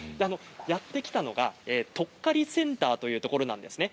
やって来たのはとっかりセンターというところなんですね。